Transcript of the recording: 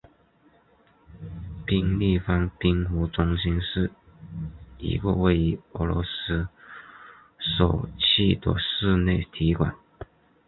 冰立方冰壶中心是一个位于俄罗斯索契的室内体育馆。